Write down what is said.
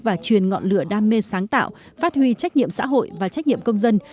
và truyền ngọn lửa đam mê sáng tạo phát huy trách nhiệm xã hội và trách nhiệm công dân